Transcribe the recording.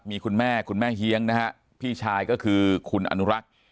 มีคุณแม่คุณแม่เฮียงนะฮะพี่ชายก็คือคุณอนุรักษ์